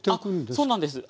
あっそうなんです。